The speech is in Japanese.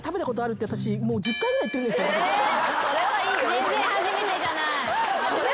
全然初めてじゃない。